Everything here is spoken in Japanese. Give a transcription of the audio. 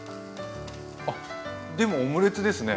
あでもオムレツですね。